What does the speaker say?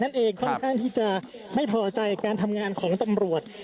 เองค่อนข้างที่จะไม่พอใจการทำงานของตำรวจ